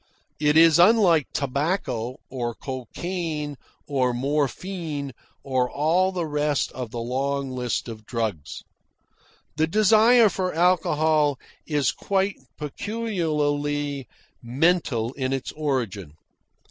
It is unlike tobacco, or cocaine, or morphine, or all the rest of the long list of drugs. The desire for alcohol is quite peculiarly mental in its origin.